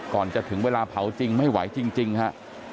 ก่อนจะถึงเวลาเผาจริงไม่ไหวจริงฮะ